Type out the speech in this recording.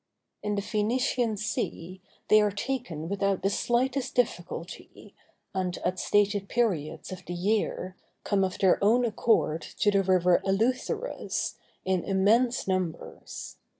In the Phœnician Sea they are taken without the slightest difficulty, and, at stated periods of the year, come of their own accord to the river Eleutherus, in immense numbers.